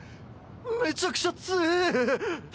めちゃくちゃ強ぇ。